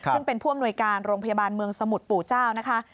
ซึ่งเป็นผู้อำนวยการโรงพยาบาลเมืองสมุทรปู่เจ้านะคะ